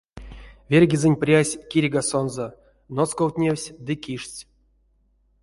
Верьгизэнь прясь кирьгасонзо ноцковтневсь ды киштсь.